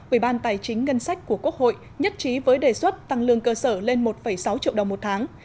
ủy ban tài chính ngân sách của quốc hội nhất trí với đề xuất tăng lương cơ sở lên một sáu triệu đồng một tháng